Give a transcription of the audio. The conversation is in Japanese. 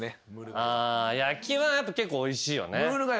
焼きはやっぱ結構おいしいよね。